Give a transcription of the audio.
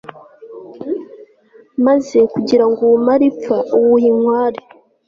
maze kugira ngo uwumare ipfa, uwuha inkware